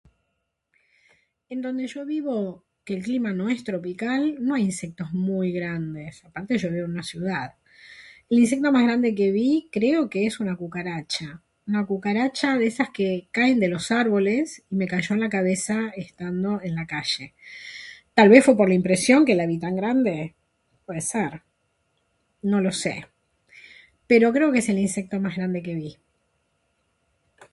En donde yo vivo, que el clima no es tropical, no hay insectos muy grandes. (Antes) yo vivo en una ciudad. El insecto más grande que vi creo que es una cucaracha. Una cucaracha de esas que caen de los árboles, me cayó en la cabeza estando en la calle. ¿Tal vez fue por la impresión que la vi tan grande? Puede ser. No lo sé, pero creo que es el insecto más grande que vi.